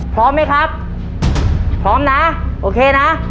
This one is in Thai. พร้อมไหมครับพร้อมนะโอเคนะ